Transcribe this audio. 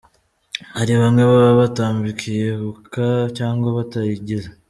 Hari bamwe baba batakiyibuka cyangwa batayizi.